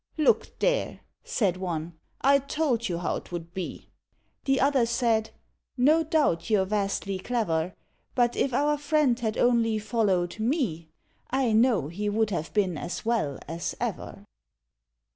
"Look there," said one, "I told you how 'twould be!" The other said, "No doubt you're vastly clever; But if our friend had only followed me, I know he would have been as well as ever."